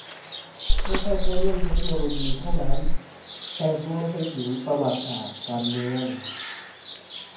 ไม่ใช่แค่เรื่องเทคโนโลยีเท่านั้น แต่รวมไปถึงประวัติศาสตร์ การเมือง